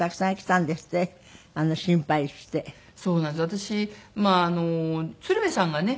私まあ鶴瓶さんがね